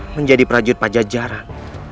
menjadi prajurit pajajaran